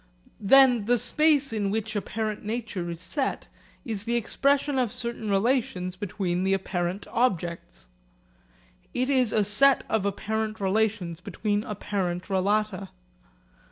Then the space in which apparent nature is set is the expression of certain relations between the apparent objects. It is a set of apparent relations between apparent relata.